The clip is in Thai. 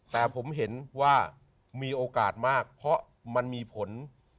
แต่ผมเห็นว่ามีโอกาสมากเพราะมันมีผล